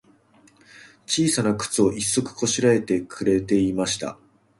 ちいさなくつを、一足こしらえてくれていました。